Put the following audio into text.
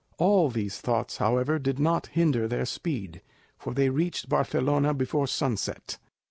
All these thoughts, however, did not hinder their speed, for they reached Barcelona before sunset.